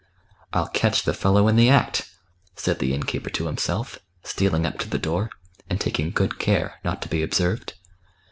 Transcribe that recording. " I'll catch the fellow in the act/' said the innkeeper to himself, stealing up to the door, and taking good care not to be observed.